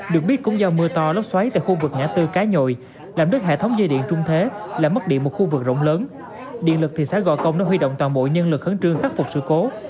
được biết cũng do mưa to lóc xoáy tại khu vực nhã tư cá nhội làm đất hệ thống dây điện trung thế làm mất điện một khu vực rộng lớn điện lực thị xã gờ công đã huy động toàn bộ nhân lực khấn trương khắc phục sự cố